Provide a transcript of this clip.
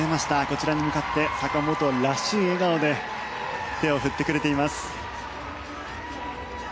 こちらに向かって坂本らしい笑顔で手を振ってくれています。